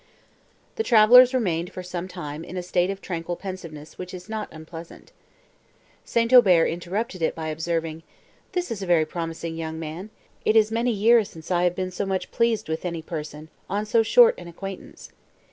The travellers remained, for some time, in a state of tranquil pensiveness, which is not unpleasing. St. Aubert interrupted it by observing, "This is a very promising young man; it is many years since I have been so much pleased with any person, on so short an acquaintance.